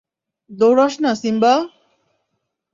দৌড়াস না, সিম্বা!